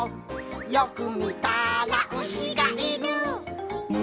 「よくみたらウシがいる」「モ」